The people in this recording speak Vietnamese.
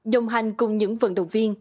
đồng hành cùng những vận động viên